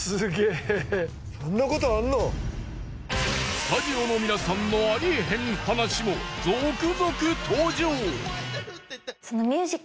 スタジオの皆さんのありえへん話も続々登場！